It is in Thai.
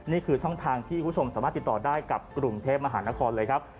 นี่คือช่องทางที่คุณผู้ชมสามารถติดต่อได้กับกรุงเทพมหานครเลยครับ